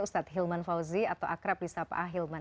ustadz hilman fauzi atau akrab lista pak hilman